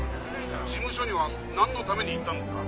「事務所にはなんのために行ったんですか？」